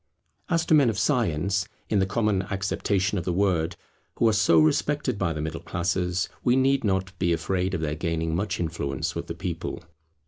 As to men of science, in the common acceptation of the word, who are so respected by the middle classes, we need not be afraid of their gaining much influence with the people.